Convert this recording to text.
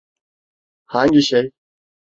Hangi şey?